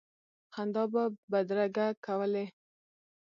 خندا به بدرګه کولې.